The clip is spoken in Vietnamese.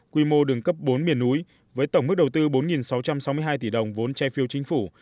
quy mô đường cấp bốn miền núi với tổng mức đầu tư bốn sáu trăm sáu mươi hai tỷ đồng vốn trai phiêu chính phủ